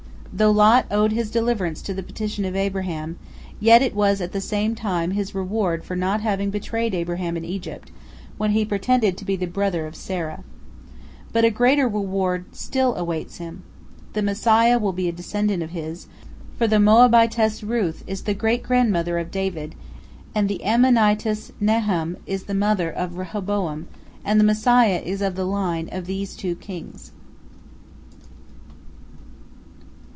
Though Lot owed his deliverance to the petition of Abraham, yet it was at the same time his reward for not having betrayed Abraham in Egypt, when he pretended to be the brother of Sarah. But a greater reward still awaits him. The Messiah will be a descendant of his, for the Moabitess Ruth is the great grandmother of David, and the Ammonitess Naamah is the mother of Rehoboam, and the Messiah is of the line of these two kings.